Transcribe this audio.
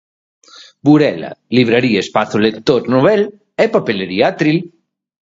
Burela: Libraría Espacio Lector Nobel e Papelería Atril.